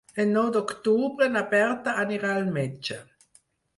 El nou d'octubre na Berta anirà al metge.